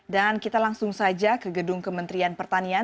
dan kita langsung saja ke gedung kementerian pertanian